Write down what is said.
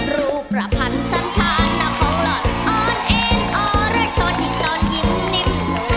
รูประพันธ์สันทานหน้าของหล่อนอ่อนเอ็นอ่อและชอดหินตอนยิ่มนิ่ม